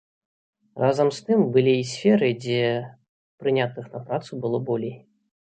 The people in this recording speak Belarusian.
Разам з тым былі і сферы, дзе прынятых на працу было болей.